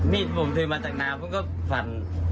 มีดผมถือมาจากนานผมก็ฝัน